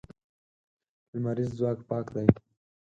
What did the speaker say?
لمریز ځواک پاک دی.